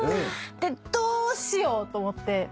どうしようと思って。